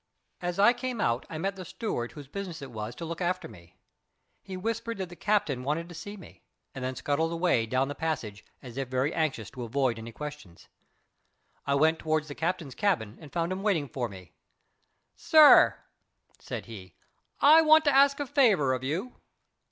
As I came out I met the steward whose business it was to look after me. He whispered that the captain wanted to see me, and then scuttled away down the passage as if very anxious to avoid any questions. I went toward the captain's cabin, and found him waiting for me. "Sir," said he, "I want to ask a favour of you."